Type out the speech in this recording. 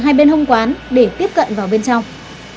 hai bên hông quán để tiếp cận vào bên trong